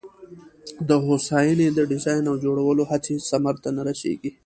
د هوساینه د ډیزاین او جوړولو هڅې ثمر ته نه رسېږي.